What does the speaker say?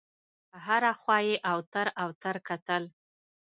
هره خوا یې اوتر اوتر کتل.